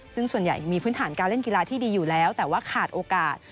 ซึ่งส่วนใหญ่มีพื้นฐานการเล่นกีฬาที่ดีอยู่แล้วแต่ว่าขาดโอกาส